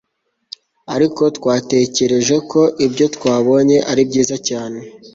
ariko twatekereje ko ibyo twabonye ari byiza cyane